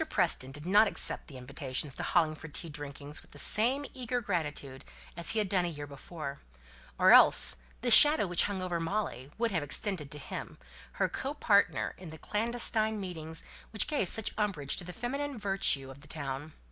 Preston did not accept the invitations to Hollingford tea drinkings with the same eager gratitude as he had done a year before: or else the shadow which hung over Molly would have extended to him, her co partner in the clandestine meetings which gave such umbrage to the feminine virtue of the town.